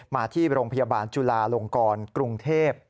มาที่โรงพยาบาลจุลาลงกรกรุงเทพ